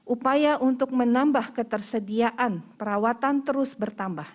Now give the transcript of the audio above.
upaya untuk menambah ketersediaan perawatan terus bertambah